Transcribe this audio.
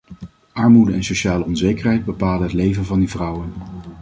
Armoede en sociale onzekerheid bepalen het leven van die vrouwen.